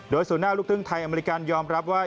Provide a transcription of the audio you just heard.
โดยศูนย์หน้าลูกครึ่งไทยอเมริกันยอมรับว่า